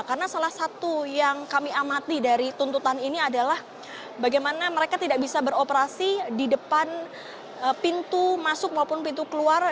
karena salah satu yang kami amati dari tuntutan ini adalah bagaimana mereka tidak bisa beroperasi di depan pintu masuk maupun pintu keluar